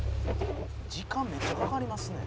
「時間めっちゃかかりますね」